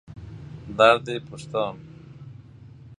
درد پستان